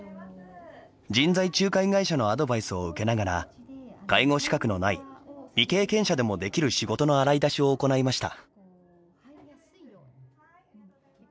人材仲介会社のアドバイスを受けながら介護資格のない未経験者でも、できる仕事の洗い出しを行いました。